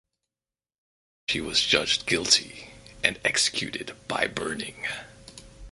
She was judged guilty and executed by burning.